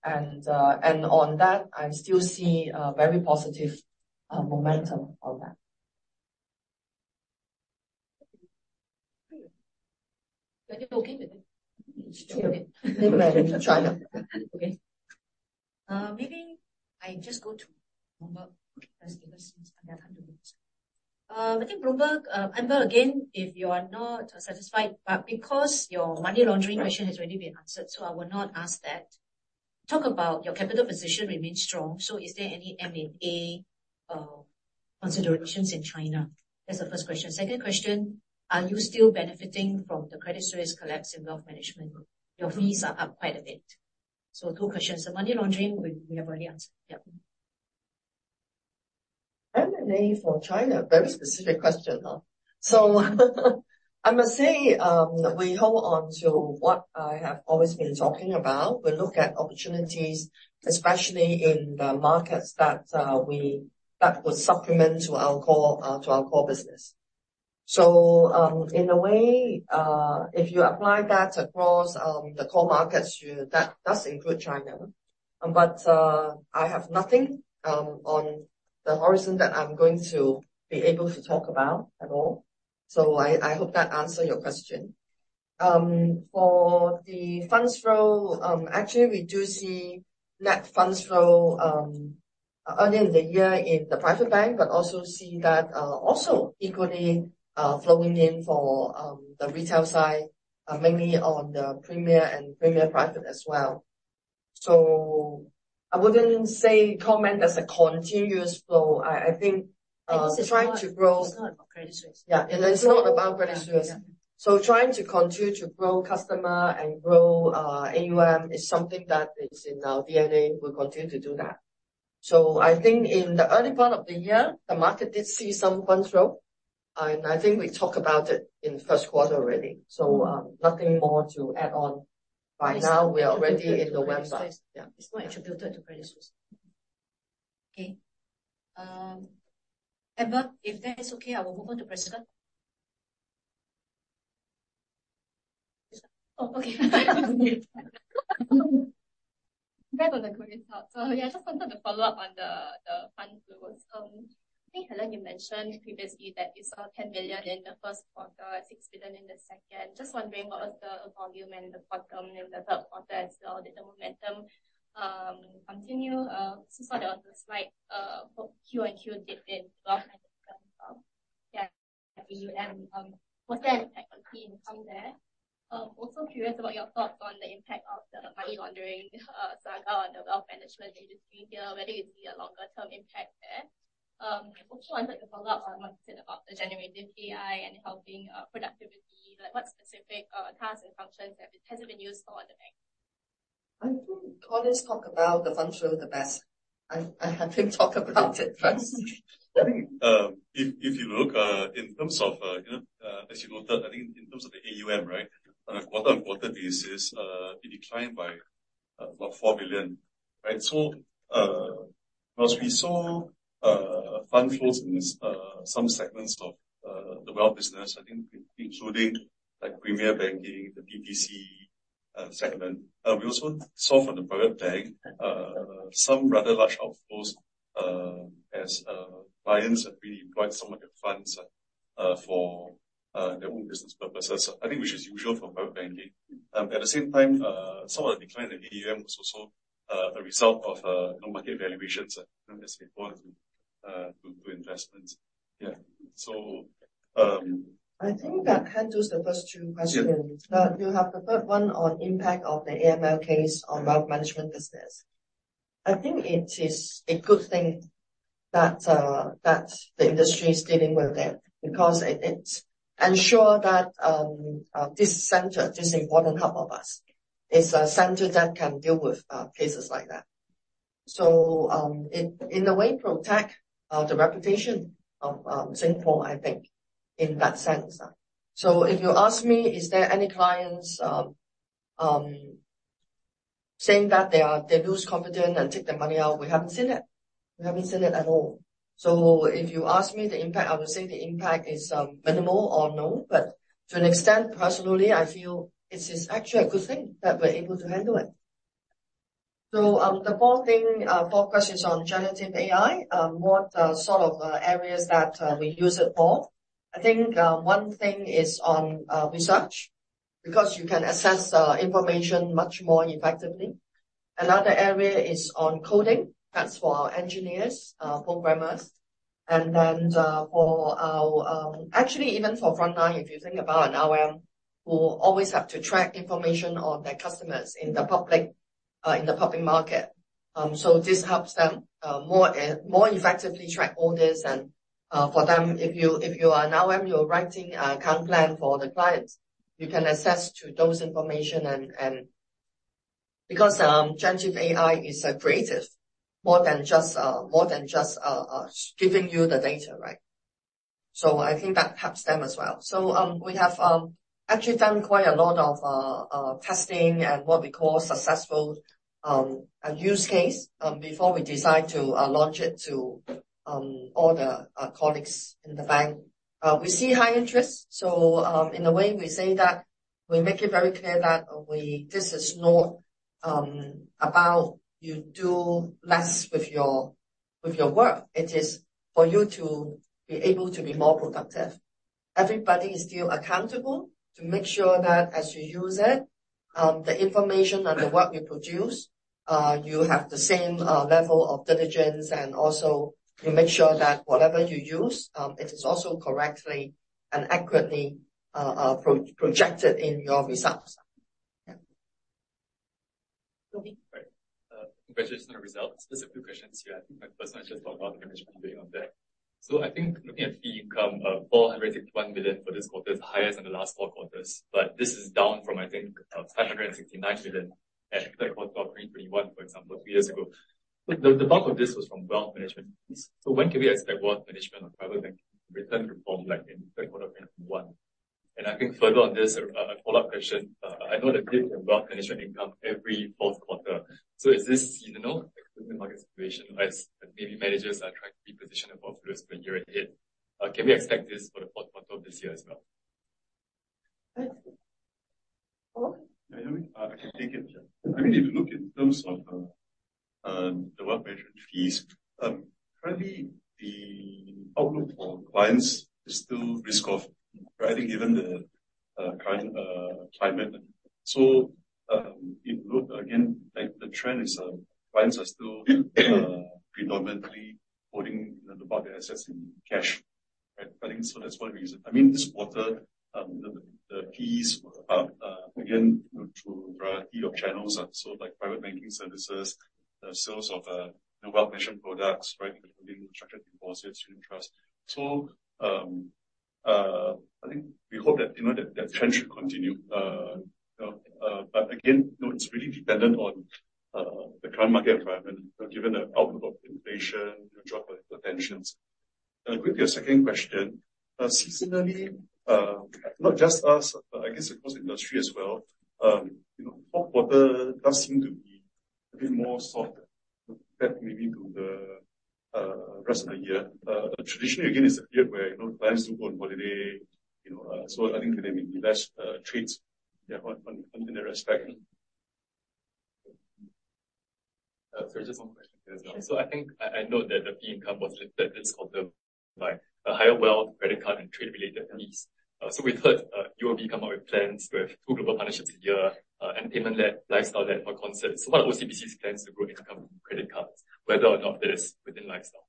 Speaker 2: And on that, I still see a very positive momentum on that.
Speaker 1: Are you okay with it?
Speaker 5: Sure.
Speaker 1: Okay. Maybe I just go to Bloomberg. I think Bloomberg, Amber, again, if you are not satisfied, but because your money laundering question has already been answered, so I will not ask that. Talk about your capital position remains strong, so is there any M&A considerations in China? That's the first question. Second question, are you still benefiting from the credit risk collapse in wealth management? Your fees are up quite a bit. So two questions. The money laundering, we have already answered. Yep.
Speaker 2: M&A for China, very specific question, huh? So, I must say, we hold on to what I have always been talking about. We look at opportunities, especially in the markets that would supplement to our core business. So, in a way, if you apply that across the core markets, that's include China. But, I have nothing on the horizon that I'm going to be able to talk about at all. So I hope that answer your question. For the funds flow, actually, we do see net funds flow earlier in the year in the private bank, but also see that also equally flowing in for the retail side, mainly on the Premier and Premier Private as well. So I wouldn't say comment as a continuous flow. I think trying to grow-
Speaker 1: It's not about credit risk.
Speaker 2: Yeah, it is not about credit risk. So trying to continue to grow customer and grow AUM is something that is in our DNA. We continue to do that. So I think in the early part of the year, the market did see some control, and I think we talked about it in the first quarter already, so nothing more to add on. By now, we are already in the website. Yeah.
Speaker 1: It's more attributed to credit risk. Okay. Emma, if that is okay, I will move on to Priscilla.
Speaker 6: Oh, okay. Back on the current thought. So yeah, I just wanted to follow up on the, the fund flows. I think, Helen, you mentioned previously that you saw 10 million in the first quarter, 6 million in the second. Just wondering what was the volume in the fourth term, in the third quarter as well, did the momentum continue? So far on the slide, Q on Q did in twelve-
Speaker 2: Yeah.
Speaker 6: Was there an impact on the income there? Also curious about your thoughts on the impact of the money laundering saga on the wealth management industry here, whether you see a longer term impact there. Also wanted to follow up on what you said about the generative AI and helping productivity. Like what specific tasks and functions have, has it been used for in the bank?
Speaker 2: I think Ching talk about the function the best. I had him talk about it first.
Speaker 4: If you look, in terms of, you know, as you noted, I think in terms of the AUM, right? On a quarter-on-quarter basis, it declined by about 4 billion, right? So, while we saw fund flows in this, some segments of the wealth business, I think including like premier banking, the DTC segment. We also saw from the private bank some rather large outflows, as clients have reemployed some of their funds for their own business purposes. I think, which is usual for private banking. At the same time, some of the decline in AUM was also a result of market valuations, as before, due to investments. Yeah. So,
Speaker 2: I think that handles the first two questions.
Speaker 4: Yeah.
Speaker 2: But you have the third one on impact of the AML case on wealth management business. I think it is a good thing that that the industry is dealing with it, because it ensures that this center, this important hub of us, is a center that can deal with cases like that. So in a way protect the reputation of Singapore, I think, in that sense. So if you ask me, is there any clients saying that they are—they lose confidence and take their money out? We haven't seen it. We haven't seen it at all. So if you ask me the impact, I would say the impact is minimal or none, but to an extent, personally, I feel it is actually a good thing that we're able to handle it. So, the fourth thing, fourth question is on generative AI. What sort of areas that we use it for? I think, one thing is on research, because you can access information much more effectively. Another area is on coding. That's for our engineers, programmers, and then for our... Actually, even for frontline, if you think about an RM, who always have to track information on their customers in the public, in the public market. So this helps them more effectively track all this. And for them, if you are an RM, you're writing a account plan for the clients, you can access to those information. And because generative AI is a creative, more than just giving you the data, right? So I think that helps them as well. We have actually done quite a lot of testing and what we call successful use case before we decide to launch it to all the colleagues in the bank. We see high interest, so in a way, we say that we-- this is not about you do less with your work. It is for you to be able to be more productive. Everybody is still accountable to make sure that as you use it, the information and the work you produce, you have the same level of diligence, and also you make sure that whatever you use, it is also correctly and accurately projected in your results. Yeah.
Speaker 7: Right. Congratulations on the results. Just a few questions here. I think my first one is just about the NIM you're doing on there. So I think looking at fee income, 461 million for this quarter is higher than the last four quarters, but this is down from, I think, 569 million at quarter of 2021, for example, two years ago. The bulk of this was from wealth management. So when can we expect wealth management or private bank return to form like in the second quarter of 2021? And I think further on this, a follow-up question. I know that wealth management income every fourth quarter. So is this seasonal market situation as maybe managers are trying to be positioned for the year ahead? Can we expect this for the fourth quarter of this year as well?
Speaker 2: Yes. Paul?
Speaker 4: I can take it. I mean, if you look in terms of the wealth management fees, currently, the outlook for clients is still risk-off, right? Given the current climate. So, if you look again, like the trend is, clients are still predominantly holding about their assets in cash, right? I think so that's one reason. I mean, this quarter, the fees again, through a variety of channels, so like private banking services, the sales of wealth management products, right? Including structured deposits, unit trusts. So, I think we hope that, you know, that trend should continue. But again, you know, it's really dependent on the current market environment, given the outlook of inflation, geopolitical tensions. With your second question, seasonally, not just us, but I guess, of course, industry as well, you know, fourth quarter does seem to be a bit more softer compared maybe to the rest of the year. Traditionally, again, it's a year where, you know, clients do go on holiday, you know, so I think there may be less trades. Yeah, on, on, in that respect.
Speaker 7: So just one question as well. So I think I, I know that the fee income was lifted this quarter by a higher wealth, credit card, and trade-related fees. So we heard UOB come up with plans to have two global partnerships a year, and payment-led, lifestyle-led core concepts. So what are OCBC's plans to grow income credit cards, whether or not that is within lifestyle?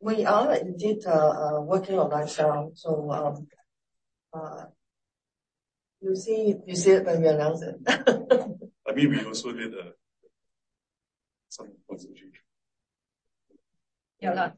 Speaker 2: We are indeed working on lifestyle. So, you'll see, you'll see it when we announce it.
Speaker 4: I mean, we also did some points of view.
Speaker 2: Yeah.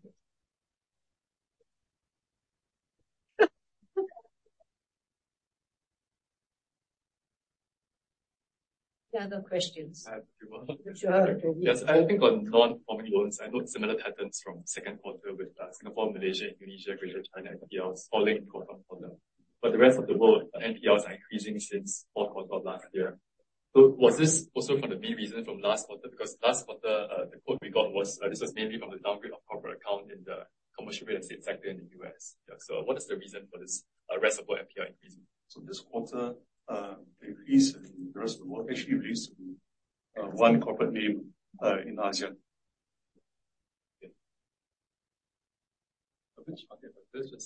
Speaker 2: Any other questions?
Speaker 7: I have a few more.
Speaker 2: Sure.
Speaker 7: Yes. I think on non-performing loans, I note similar patterns from second quarter with, Singapore, Malaysia, Indonesia, Greater China, NPLs falling quarter-on-quarter. But the rest of the world, NPLs are increasing since fourth quarter of last year. So was this also from the main reason from last quarter? Because last quarter, the quote we got was, this was mainly from the downgrade of corporate account in the commercial real estate sector in the U.S. Yeah, so what is the reason for this, rest of world NPL increasing?
Speaker 4: So this quarter, increase in the rest of the world actually relates to one corporate name in ASEAN.
Speaker 7: Okay. Which market? But this is in ASEAN.
Speaker 4: In ASEAN, Malaysia.
Speaker 7: Okay.
Speaker 4: I mean, within the four markets. Yes, ASEAN.
Speaker 7: Okay.
Speaker 2: Please hold on.
Speaker 7: Just on related to ASEAN, I see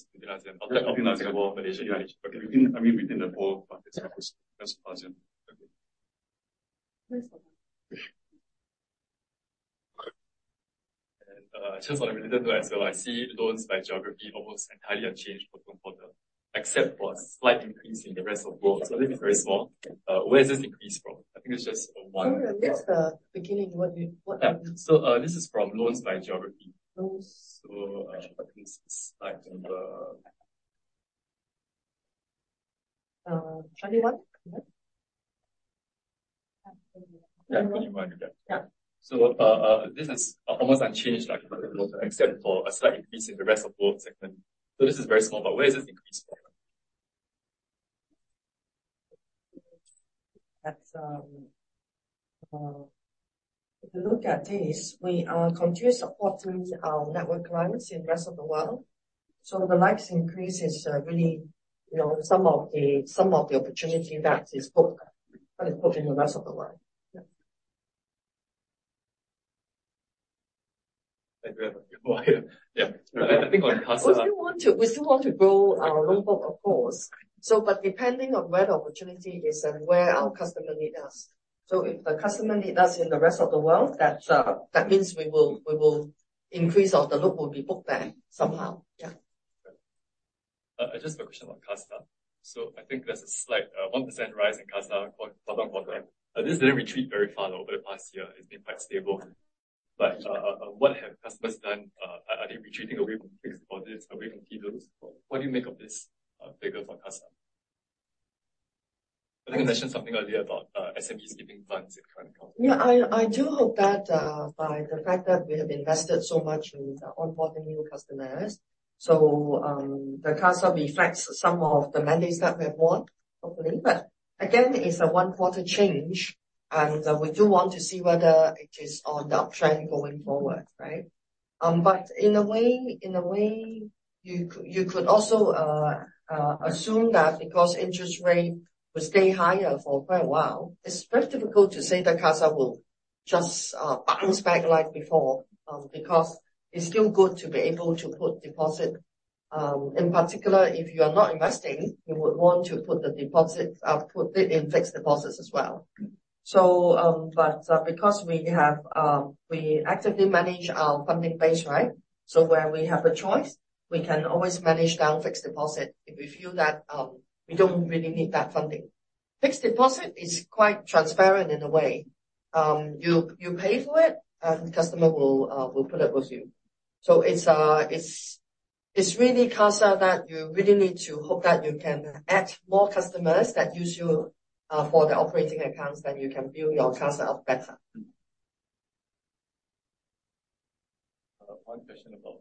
Speaker 7: loans by geography almost entirely unchanged from quarter, except for a slight increase in the rest of world. This is very small. Where is this increase from? I think it's just one-
Speaker 2: At least the beginning, what you...
Speaker 7: So, this is from loans by geography.
Speaker 2: Loans.
Speaker 4: This is like in the-
Speaker 2: Turn it up? Yeah.
Speaker 7: Yeah, turn it up. Yeah.
Speaker 2: Yeah.
Speaker 7: This is almost unchanged, like, except for a slight increase in the rest of world segment. This is very small, but where is this increase from?
Speaker 2: That's. If you look at this, we continue support through our network clients in the rest of the world. So the likes increase is really, you know, some of the, some of the opportunity that is booked, that is booked in the rest of the world. Yeah.
Speaker 7: Yeah. Yeah, I think on CASA-
Speaker 2: We still want to, we still want to grow our loan book, of course. So but depending on where the opportunity is and where our customer need us. So if the customer need us in the rest of the world, that, that means we will, we will increase off the loop will be booked there somehow. Yeah.
Speaker 7: Just a question on CASA. So I think there's a slight, 1% rise in CASA quarter-on-quarter. This didn't retreat very far over the past year. It's been quite stable. But, what have customers done? Are they retreating away from fixed deposits, away from T-bills? What do you make of this, figure for CASA? I think you mentioned something earlier about, SMEs keeping funds in current account.
Speaker 2: Yeah, I do hope that by the fact that we have invested so much in onboarding new customers, so the CASA reflects some of the mandates that we have won, hopefully. But again, it's a one-quarter change, and we do want to see whether it is on the uptrend going forward, right? But in a way, you could also assume that because interest rate will stay higher for quite a while, it's very difficult to say that CASA will just bounce back like before, because it's still good to be able to put deposit. In particular, if you are not investing, you would want to put the deposits, put it in fixed deposits as well. So, but because we have, we actively manage our funding base, right? So where we have a choice, we can always manage down fixed deposit if we feel that we don't really need that funding. Fixed deposit is quite transparent in a way. You pay for it, and the customer will put it with you. So it's really CASA that you really need to hope that you can add more customers that use you for the operating accounts, then you can build your CASA up better.
Speaker 7: One question about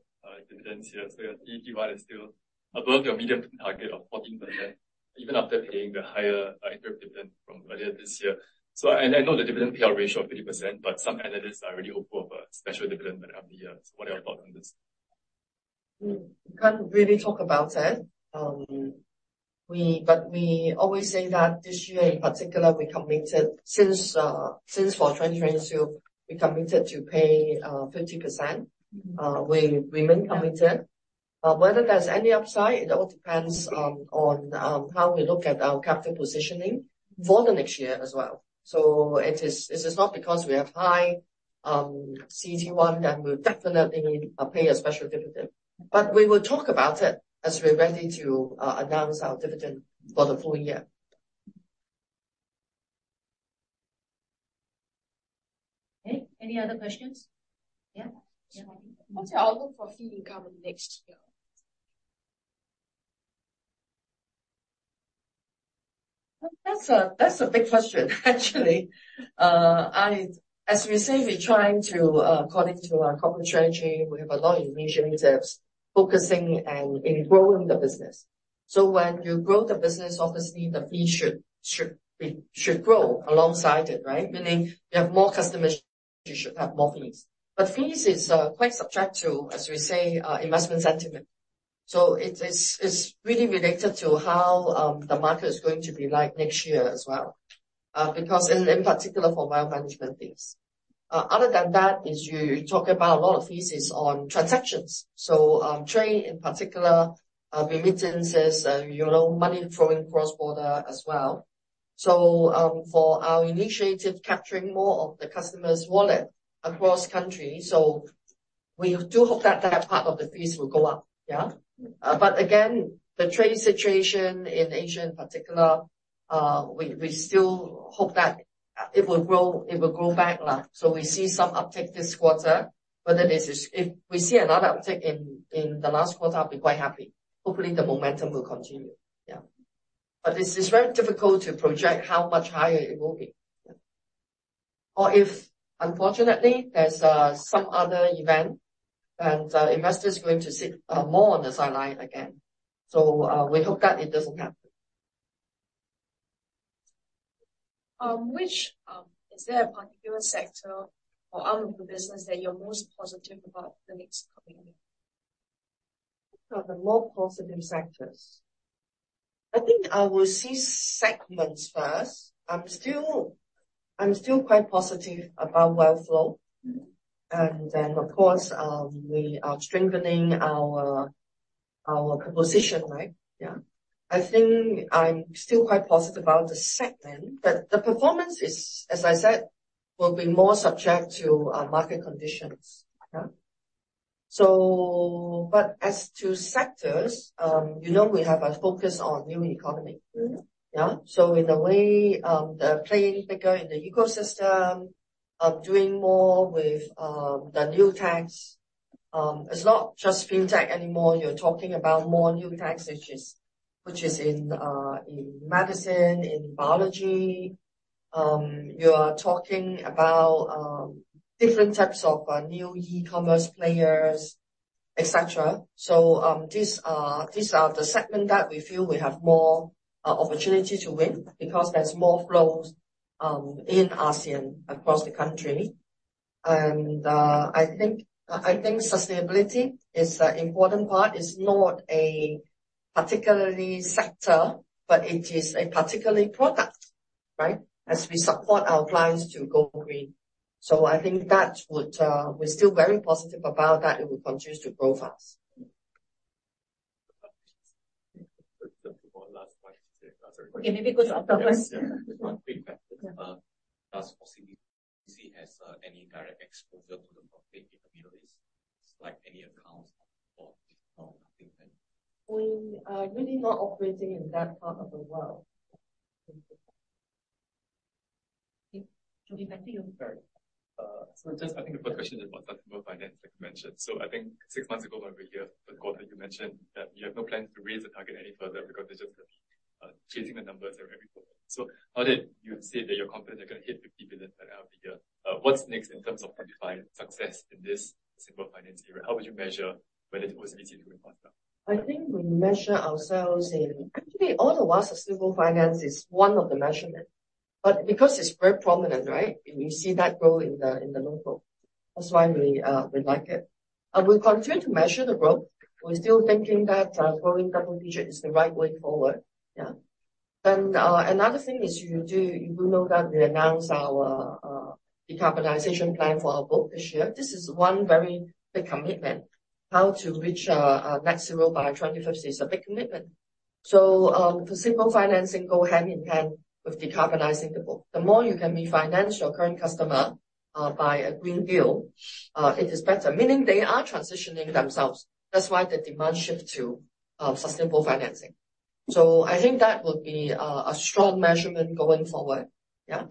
Speaker 7: dividends here. So your divi is still above your medium target of 14%, even after paying the higher interim dividend from earlier this year. So I know the dividend payout ratio of 30%, but some analysts are really hopeful of a special dividend by the end of the year. So what are your thoughts on this?
Speaker 2: We can't really talk about it. But we always say that this year in particular, we committed since for 2022, we committed to pay 30%. We remain committed. Whether there's any upside, it all depends on how we look at our capital positioning for the next year as well. So it is not because we have high CET1, then we'll definitely need pay a special dividend. But we will talk about it as we're ready to announce our dividend for the full year.
Speaker 1: Okay, any other questions? Yeah.
Speaker 8: What's your outlook for fee income next year?
Speaker 2: That's a big question actually. As we say, we're trying to, according to our corporate strategy, we have a lot of initiatives focusing and in growing the business. So when you grow the business, obviously the fee should grow alongside it, right? Meaning, you have more customers, you should have more fees. But fees is quite subject to, as we say, investment sentiment. So it is, it's really related to how the market is going to be like next year as well. Because in particular for wealth management fees. Other than that, you talk about a lot of fees is on transactions. So, trade in particular, remittances, you know, money flowing cross-border as well. So, for our initiative, capturing more of the customers' wallet across country, so we do hope that that part of the fees will go up. Yeah? But again, the trade situation in Asia in particular, we still hope that it will grow, it will grow back lah. So we see some uptick this quarter, but then this is... If we see another uptick in the last quarter, I'll be quite happy. Hopefully, the momentum will continue. Yeah. But it's very difficult to project how much higher it will be. Or if, unfortunately, there's some other event and investors are going to sit more on the sideline again. So we hope that it doesn't happen.
Speaker 8: Is there a particular sector or arm of the business that you're most positive about the next coming year?
Speaker 2: The more positive sectors? I think I will see segments first. I'm still quite positive about wealth flow.
Speaker 8: Mm-hmm.
Speaker 2: And then, of course, we are strengthening our proposition, right?
Speaker 8: Yeah.
Speaker 2: I think I'm still quite positive about the segment, but the performance is, as I said, will be more subject to market conditions.
Speaker 8: Yeah.
Speaker 2: So... But as to sectors, you know, we have a focus on new economy.
Speaker 8: Mm-hmm.
Speaker 2: Yeah. So in a way, the playing bigger in the ecosystem of doing more with the new tech. It's not just fintech anymore, you're talking about more new tech, which is in medicine, in biology. You are talking about different types of new e-commerce players, et cetera. So, these are the segments that we feel we have more opportunity to win, because there's more flows in ASEAN across the country. And, I think sustainability is an important part, it's not a particular sector, but it is a particular product, right? As we support our clients to go green. So I think that would... We're still very positive about that, it will continue to grow fast.
Speaker 9: One last point.
Speaker 2: Okay, maybe go to Octopus.
Speaker 9: Yeah, sure. Just one quick question.
Speaker 2: Yeah.
Speaker 9: Does OCBC has any direct exposure to the property in the Middle East? Like, any accounts or nothing, thank you.
Speaker 2: We are really not operating in that part of the world.
Speaker 1: Okay. I think you're third.
Speaker 9: So just I think the question is about sustainable finance, like you mentioned. So I think six months ago, when we were here, the quarter you mentioned that you have no plans to raise the target any further because we're just chasing the numbers every quarter. So now that you have said that you're confident you're going to hit 50 billion by the end of the year, what's next in terms of defining success in this sustainable finance area? How would you measure whether it was easy to do or not?
Speaker 2: I think we measure ourselves in, actually, all the while, the sustainable finance is one of the measurement. But because it's very prominent, right? We see that growth in the local. That's why we like it. And we continue to measure the growth. We're still thinking that growing double digit is the right way forward. Yeah. Then, another thing is you know, you will know that we announced our decarbonization plan for our book this year. This is one very big commitment. How to reach net zero by 2050 is a big commitment. So, the sustainable financing go hand in hand with decarbonizing the book. The more you can refinance your current customer by a green deal, it is better, meaning they are transitioning themselves. That's why the demand shift to sustainable financing. So I think that will be a strong measurement going forward. Yeah.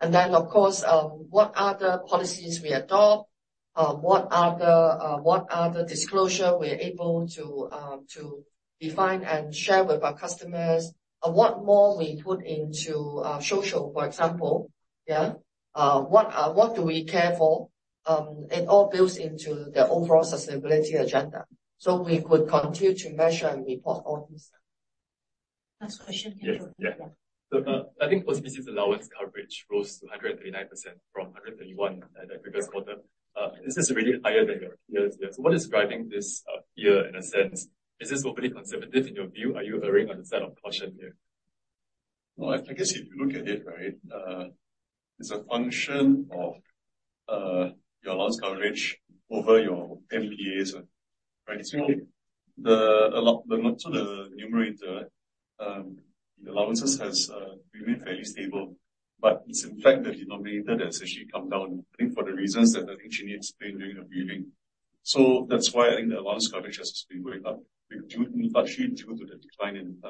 Speaker 2: And then, of course, what are the policies we adopt? What are the disclosure we are able to to define and share with our customers? What more we put into social, for example, yeah? What do we care for? It all builds into the overall sustainability agenda. So we could continue to measure and report all this.
Speaker 1: Last question.
Speaker 10: Yeah.
Speaker 1: Yeah.
Speaker 10: I think OCBC's allowance coverage rose to 139% from 131% at the previous quarter. This is really higher than your years. What is driving this, year in a sense? Is this overly conservative in your view? Are you erring on the side of caution here?
Speaker 4: Well, I guess if you look at it right, it's a function of your allowance coverage over your NPAs, right? So the numerator, the allowances has remained fairly stable, but it's in fact the denominator that's actually come down, I think, for the reasons that I think she explained during the briefing. So that's why I think the allowance coverage has been going up, due, actually, due to the decline in-